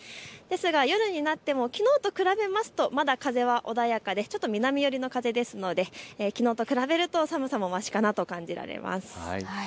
ですが夜になってもきのうと比べるとまだ風は穏やかで南寄りの風ですのできのうと比べると寒さもましかなと感じられます。